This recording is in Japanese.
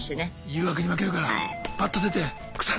誘惑に負けるからパッと出て草！